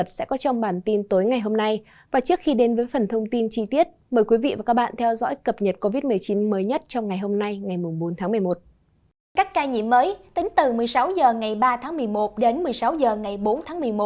các ca nhiễm mới tính từ một mươi sáu h ngày ba tháng một mươi một đến một mươi sáu h ngày bốn tháng một mươi một